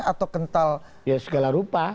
atau kental segala rupa